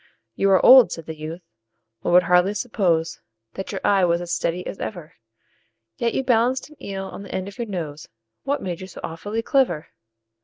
"You are old," said the youth, "one would hardly suppose That your eye was as steady as ever; Yet you balanced an eel on the end of your nose What made you so awfully clever?"